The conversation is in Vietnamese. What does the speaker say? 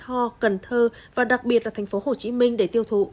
hoa cần thơ và đặc biệt là thành phố hồ chí minh để tiêu thụ